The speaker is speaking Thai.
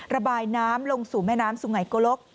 ระบายน้ำลงสู่แม่น้ำสุงัยโกลก